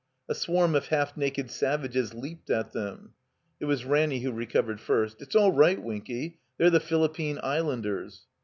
A swarm of half naked savages leaped at them. It was Ranny who recovered first. "It's all right, Winky. They're the Philippine Islanders."